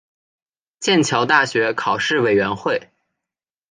剑桥大学考试委员会